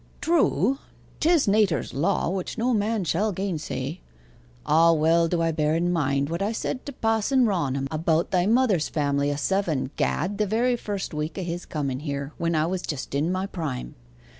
'True 'tis nater's law, which no man shall gainsay. Ah, well do I bear in mind what I said to Pa'son Raunham, about thy mother's family o' seven, Gad, the very first week of his comen here, when I was just in my prime.